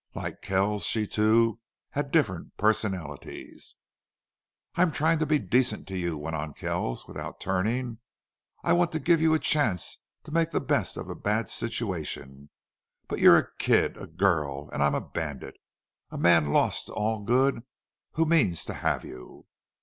Like Kells, she too, had different personalities. "I'm trying to be decent to you," went on Kells, without turning. "I want to give you a chance to make the best of a bad situation. But you're a kid a girl!... And I'm a bandit. A man lost to all good, who means to have you!"